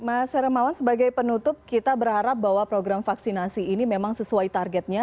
mas hermawan sebagai penutup kita berharap bahwa program vaksinasi ini memang sesuai targetnya